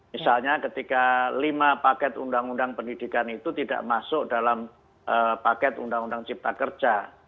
misalnya ketika lima paket undang undang pendidikan itu tidak masuk dalam paket undang undang cipta kerja